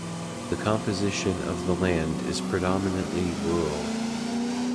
The composition of the land is predominantly rural.